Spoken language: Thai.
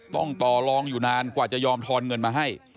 ต้องต่อลองอยู่นานกว่าจะยอมทอนเงินมาให้